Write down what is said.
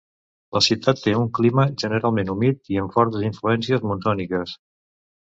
La ciutat té un clima generalment humit i amb fortes influències monsòniques.